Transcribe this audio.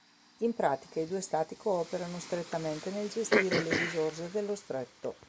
In pratica i due stati cooperano strettamente nel gestire le risorse dello stretto.